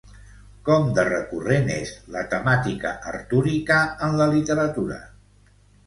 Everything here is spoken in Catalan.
Com de recurrent és la temàtica artúrica en la literatura?